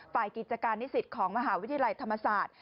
ฝ่ายกิจการนิสิตของมหาวิทยาลัยธรรมศาสตร์